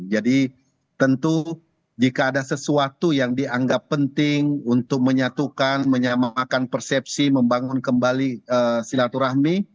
jadi tentu jika ada sesuatu yang dianggap penting untuk menyatukan menyamakan persepsi membangun kembali silaturahmi